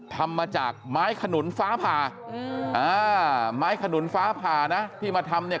ทำมาจากไม้ขนุนฟ้าผ่าไม้ขนุนฟ้าผ่านะที่มาทำเนี่ย